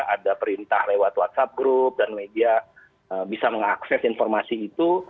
ada perintah lewat whatsapp group dan media bisa mengakses informasi itu